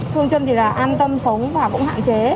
thương chân thì là an tâm sống và cũng hạn chế